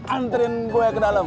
anterin gue ke dalam